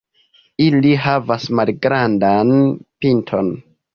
Ili havas malgrandan pinton.